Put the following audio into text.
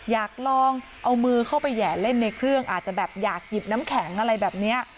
อยากลองเอามือเข้าไปแห่เล่นในเครื่องอาจจะแบบอยากหยิบน้ำแข็งอะไรแบบนี้